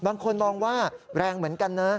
บางคนมองว่าแรงเหมือนกันนะ